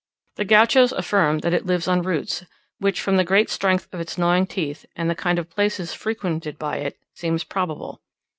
The Gauchos affirm that it lives on roots; which, from the great strength of its gnawing teeth, and the kind of places frequented by it, seems probable.